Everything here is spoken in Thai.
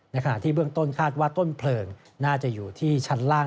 ขณะที่เบื้องต้นคาดว่าต้นเพลิงน่าจะอยู่ที่ชั้นล่าง